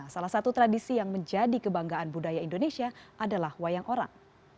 salah satu tradisi yang menjadi kebanggaan budaya indonesia adalah wayang orang